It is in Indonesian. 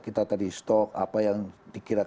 kita tadi stok apa yang dikira